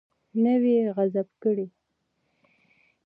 نه وي غصب کړی.